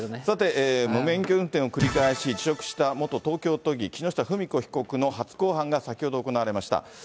さて、無免許運転を繰り返し、辞職した元東京都議、木下富美子被告の初公判が先ほど行われました。